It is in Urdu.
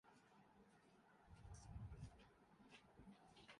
سو تیر ترازو تھے دل میں جب ہم نے رقص آغاز کیا